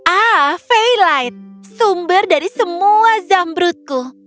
ah veilite sumber dari semua zambrutku